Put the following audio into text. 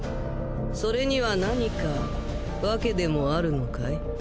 それには何かわけでもあるのかい？